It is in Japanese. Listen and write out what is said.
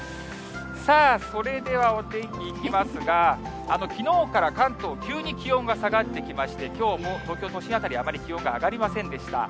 さあ、それではお天気いきますが、きのうから関東、急に気温が下がってきまして、きょうも東京都心辺り、あまり気温が上がりませんでした。